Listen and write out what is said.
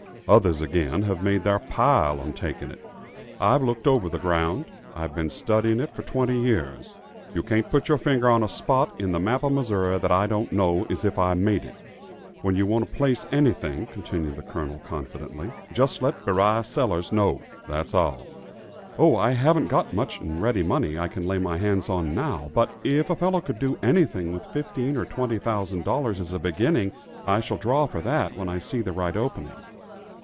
Others, again, have made their pile on taking it. I've looked over the ground; I've been studying it for twenty years. You can't put your finger on a spot in the map of Missouri that I don't know as if I'd made it. When you want to place anything," continued the Colonel, confidently, "just let Beriah Sellers know. That's all." "Oh, I haven't got much in ready money I can lay my hands on now, but if a fellow could do anything with fifteen or twenty thousand dollars, as a beginning, I shall draw for that when I see the right opening."